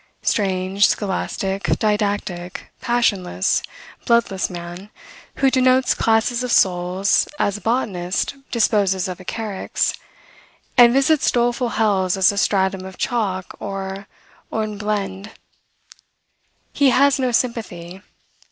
Strange, scholastic, didactic, passionless, bloodless man, who denotes classes of souls as a botanist disposes of a carex, and visits doleful hells as a stratum of chalk or hornblende! He has no sympathy.